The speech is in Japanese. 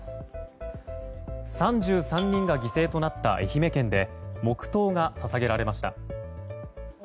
３３人が犠牲となった愛媛県で黙祷が捧げられました。